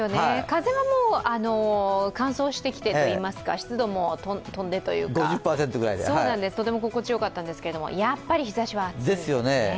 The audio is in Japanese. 風が乾燥してきてといいますか、湿度もとんでとても心地よかったんですけど、やっぱり日ざしは暑いですね。